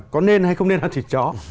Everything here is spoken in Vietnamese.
có nên hay không nên ăn thịt chó